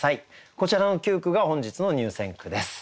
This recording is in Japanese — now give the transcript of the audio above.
こちらの９句が本日の入選句です。